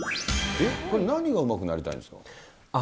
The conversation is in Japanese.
これ、何がうまくなりたいんですか？